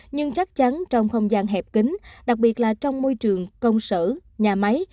nhưng chắc chắn trong không gian hẹp kính đặc biệt là trong môi trường công sở nhà máy